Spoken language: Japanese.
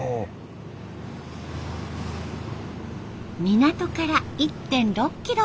港から１．６キロ。